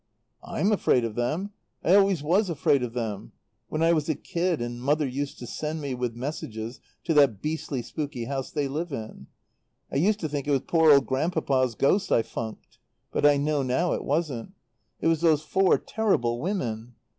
"I'm afraid of them. I always was afraid of them; when I was a kid and Mother used to send me with messages to that beastly spooky house they live in. I used to think it was poor old Grandpapa's ghost I funked. But I know now it wasn't. It was those four terrible women.